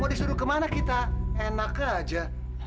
mau disuruh ke mana kita enak aja